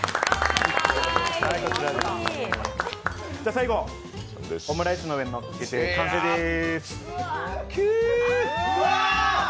最後、オムライスの上にのせて完成です。